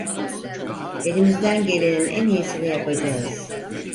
Elimizden gelenin en iyisini yapacağız.